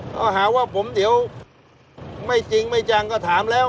ก็หาว่าผมเดี๋ยวไม่จริงไม่จังก็ถามแล้ว